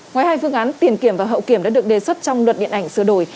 ngoài hai phương án tiền kiểm và hậu kiểm đã được đề xuất trong luật điện ảnh sửa đổi